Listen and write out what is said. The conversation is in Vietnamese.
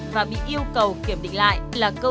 và bị yêu cầu kiểm định lại là cơ sở